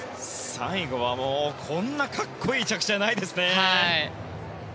最後はもうこんな格好いい着地はないですね。